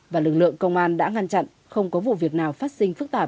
và lực lượng công an đã ngăn chặn không có vụ việc nào phát sinh phức tạp